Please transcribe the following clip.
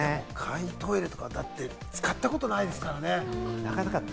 簡易トイレとかだって使ったことないですからね。